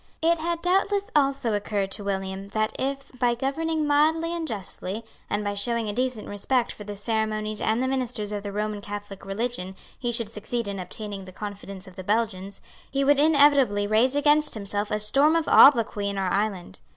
It had doubtless also occurred to William that if, by governing mildly and justly, and by showing a decent respect for the ceremonies and the ministers of the Roman Catholic religion, he should succeed in obtaining the confidence of the Belgians, he would inevitably raise against himself a storm of obloquy in our island.